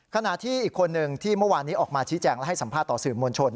ขณะที่อีกคนหนึ่งที่เมื่อวานนี้ออกมาชี้แจงและให้สัมภาษณ์ต่อสื่อมวลชน